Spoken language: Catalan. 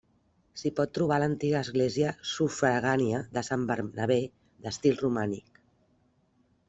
S'hi pot trobar l'antiga església sufragània de Sant Bernabé d'estil romànic.